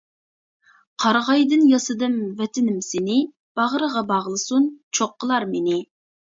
قارىغايدىن ياسىدىم ۋەتىنىم سېنى، باغرىغا باغلىسۇن چوققىلار مېنى.